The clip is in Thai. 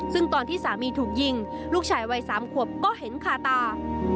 ซึ่งตอนที่สามีถูกยิงลูกชายวัย๓ขวบก็เห็นคาตา